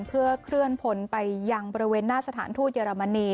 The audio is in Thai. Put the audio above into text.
เพื่อเคลื่อนพลไปยังบริเวณหน้าสถานทูตเยอรมนี